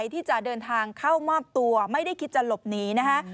ที่จะเดินทางเข้ามอบตัวไม่ได้คิดจะหลบหนีนะคะ